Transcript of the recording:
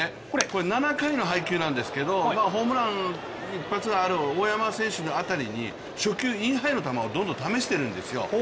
７回の配球なんですけど、ホームラン一発のある大山選手辺りに初球インハイの球をどんどん試してるんですよ。